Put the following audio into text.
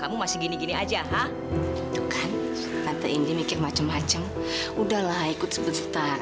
udah lah ikut sebentar